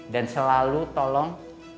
dan selalu tolong